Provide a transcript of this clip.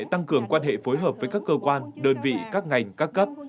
tăng cường quan hệ phối hợp với các cơ quan đơn vị các ngành các cấp